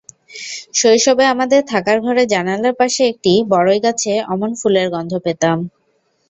শৈশবে আমাদের থাকার ঘরের জানালার পাশে একটি বরইগাছে অমন ফুলের গন্ধ পেতাম।